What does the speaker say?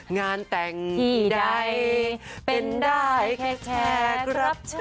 งานแต่งที่ใดเป็นได้แค่แขกรับเชิญ